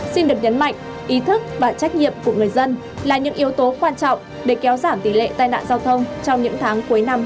xin được nhấn mạnh ý thức và trách nhiệm của người dân là những yếu tố quan trọng để kéo giảm tỷ lệ tai nạn giao thông trong những tháng cuối năm hai nghìn hai mươi